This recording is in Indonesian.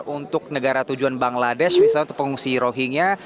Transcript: untuk negara tujuan bangladesh misalnya untuk pengungsi rohingya